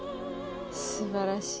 すばらしい。